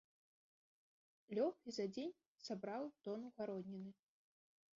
Лёг і за дзень сабраў тону гародніны!